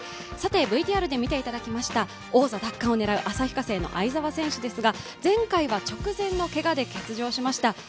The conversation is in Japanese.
さてＶＴＲで見ていただきました王座奪還を狙う旭化成の相澤選手ですが前回は直前のけがで欠場しました。